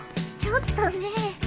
ちょっとねえ。